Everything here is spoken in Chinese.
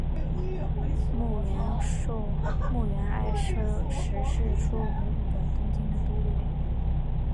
筱原爱实是出身于日本东京都的演员。